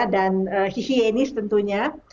dan higienis tentunya